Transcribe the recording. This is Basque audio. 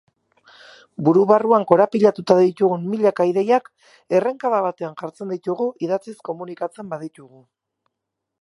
Buru barruan korapilatuta ditugun milaka ideiak errenka batean jartzen ditugu idatziz komunikatzen baditugu.